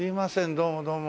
どうもどうも。